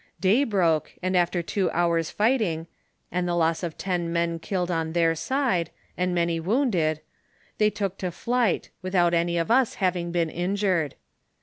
Day broke, and after two hours' fighting, and the loss of ten men killed on their side, and many wounded, they took to flight, without any of us having been injured.